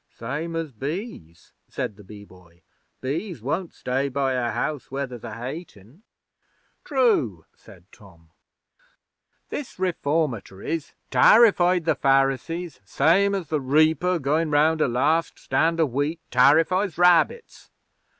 'Same as bees,' said the Bee Boy. 'Bees won't stay by a house where there's hating.' 'True,' said Tom. 'This Reformatories tarrified the Pharisees same as the reaper goin' round a last stand o' wheat tarrifies rabbits.